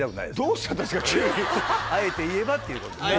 あえて言えばっていうことで。